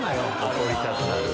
怒りたくなる。